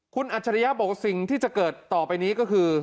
คุณอัจฉริยะบอกว่าสิ่งที่จะเกิดต่อไปนี้ก็คือ